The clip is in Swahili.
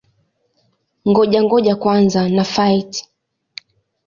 Ngoja-ngoja kwanza na-fight!